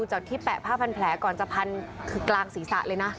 จากที่แปะผ้าพันแผลก่อนจะพันคือกลางศีรษะเลยนะ